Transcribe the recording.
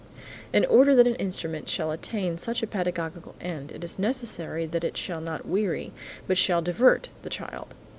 In order that an instrument shall attain such a pedagogical end, it is necessary that it shall not weary but shall divert the child.